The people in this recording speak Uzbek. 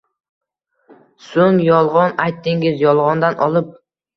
So‘ng yolg‘on aytdingiz, yolg‘ondan olib